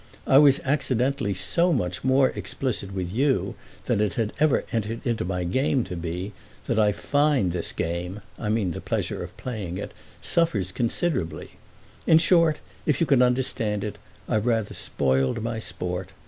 I was accidentally so much more explicit with you than it had ever entered into my game to be, that I find this game—I mean the pleasure of playing it—suffers considerably. In short, if you can understand it, I've rather spoiled my sport.